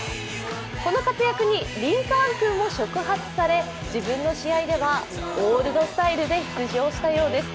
この活躍にリンカーン君も触発され自分の試合ではオールドスタイルで出場したそうです。